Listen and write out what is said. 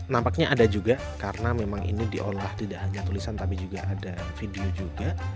nampaknya ada juga karena memang ini diolah tidak hanya tulisan tapi juga ada video juga